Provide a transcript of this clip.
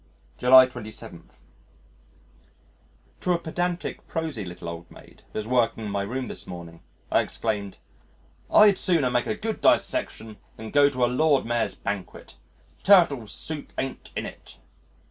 July 27. To a pedantic prosy little old maid who was working in my room this morning, I exclaimed, "I'd sooner make a good dissection than go to a Lord Mayor's Banquet. Turtle Soup ain't in it."